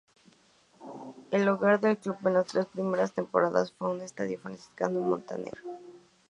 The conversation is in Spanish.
El hogar del Club en las tres primeras temporadas, fue el Estadio Francisco Montaner.